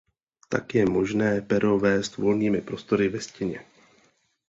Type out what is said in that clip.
Tak je možné pero vést volnými prostory ve stěně.